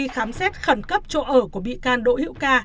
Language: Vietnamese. khẩn cấp chỗ ở của bị can đỗ hiệu ca